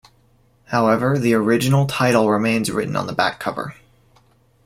However, the original title remains written on the back cover.